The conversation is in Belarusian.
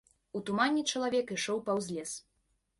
У тумане чалавек ішоў паўз лес.